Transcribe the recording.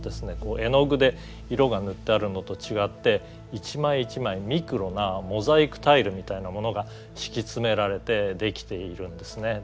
絵の具で色が塗ってあるのと違って一枚一枚ミクロなモザイクタイルみたいなものが敷き詰められてできているんですね。